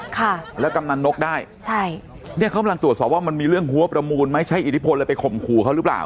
ค่ะแล้วกำนันนกได้ใช่เนี้ยเขากำลังตรวจสอบว่ามันมีเรื่องหัวประมูลไหมใช้อิทธิพลเลยไปข่มขู่เขาหรือเปล่า